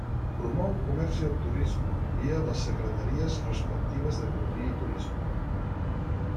Promou el comerç i el turisme via les secretaries respectives d'economia i turisme.